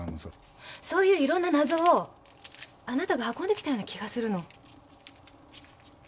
そういういろんな謎をあなたが運んできたような気がするの。